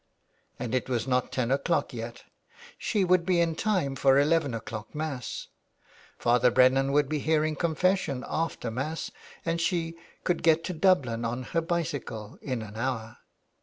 And it was not ten o'clock yet. She would be in time for eleven o'clock Mass, Father Brennan would be hearing confessions after 35s THE WILD GOOSE. Mass, and she could get to Dublin on her bicycle in an hour.